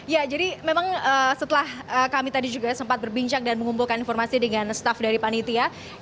ya jadi memang setelah kami tadi juga sempat berbincang dan mengumpulkan informasi dengan staff dari panitia